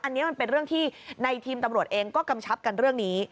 อันนี้มันเป็นเรื่องที่ในทีมตำรวจเองก็กำชับกันเรื่องนี้